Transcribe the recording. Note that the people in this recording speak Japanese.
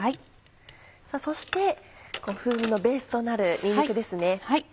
そして風味のベースとなるにんにくですね。